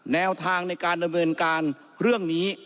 แนวทางในการดำเนินการเรื่องนี้